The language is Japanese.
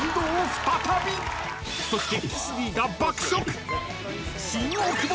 ［そして］